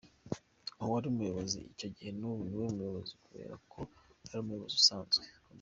Uwo wari umuyobozi icyo gihe n’ubu niwe ukiyobora kubera ko ari umuyobozi udasanzwe.